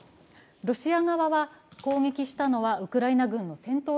ロシア側は攻撃したのはウクライナ軍の戦闘